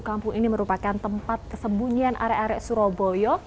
kampung ini merupakan tempat kesembunyian area area surabaya